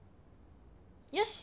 よし！